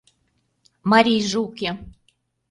Марийже уке.